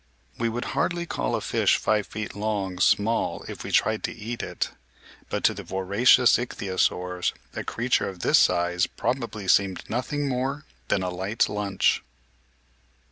We would hardly call a fish five feet long small if we tried to eat it ; but to the voracious Ichthyosaurs, a creature of this size probably seemed nothing more than a light lunch.